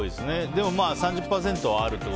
でも、３０％はあるという。